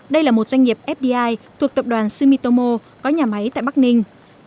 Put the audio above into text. đây là một doanh nghiệp fbi thuộc tập đoàn sumitomo có nhà máy tại bắc ninh